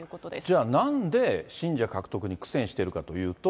じゃあなんで、信者獲得に苦戦しているかというと。